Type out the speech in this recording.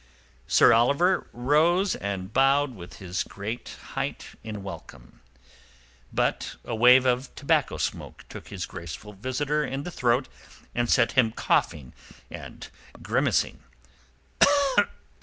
Sir Oliver rose and bowed from his great height in welcome. But a wave of tobacco smoke took his graceful visitor in the throat and set him coughing and grimacing.